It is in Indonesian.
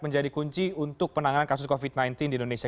menjadi kunci untuk penanganan kasus covid sembilan belas di indonesia